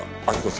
あっ！